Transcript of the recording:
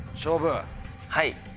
はい。